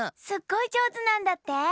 すっごいじょうずなんだって？